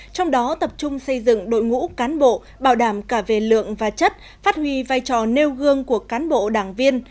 trong đó tập trung xây dựng đội ngũ cán bộ bảo đảm cả về lượng và chất phát huy vai trò nêu gương của cán bộ đảng viên